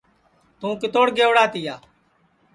توں کِتوڑ گئوڑا تیا